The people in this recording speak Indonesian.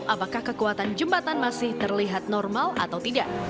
apakah kekuatan jembatan masih terlihat normal atau tidak